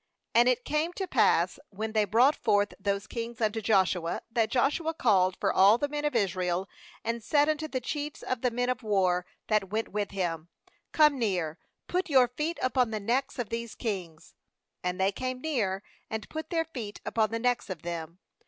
MAnd it came to pass, when they brought forth those kings unto Joshua, that Joshua called for all the men of Israel, and said unto the chiefs of the men of war that went with him: 'Come near, put your feet upon the necks of these kings.' And they came near, and put their feet upon the necks of them.